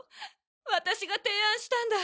私が提案したんだ。